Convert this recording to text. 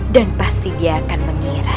dan pasti dia akan mengira